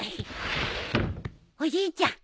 おじいちゃん。